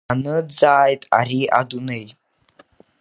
Даныӡааит ари адунеи.